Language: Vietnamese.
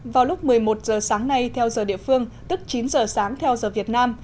vào lúc một mươi một giờ sáng nay theo giờ địa phương tức chín giờ sáng theo giờ việt nam